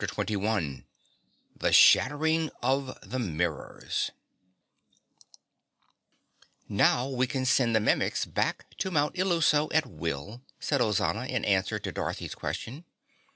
CHAPTER 21 The Shattering of the Mirrors "Now we can send the Mimics back to Mount Illuso at will," said Ozana in answer to Dorothy's question.